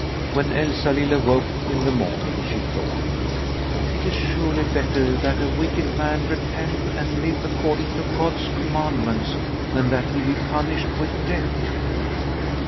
When Elsalill awoke in the morning she thought: "It is surely better that a wicked man repent and live according to God's commandments than that he be punished with death."